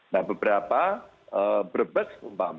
nah beberapa berbes